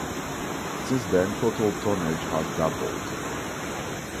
Since then total tonnage has doubled.